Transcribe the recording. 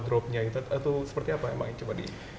atau dengan kelembapan wardrobe nya